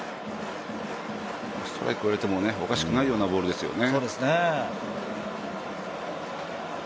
ストライク入れられてもおかしくないボールですよね。